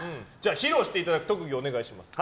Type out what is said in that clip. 披露していただく特技お願いします。